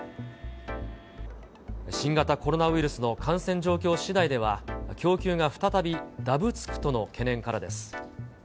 新型コロナウイルスの感染状況しだいでは、供給が再びだぶつくとの懸念からです。